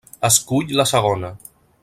Escull la segona.